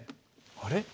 あれ？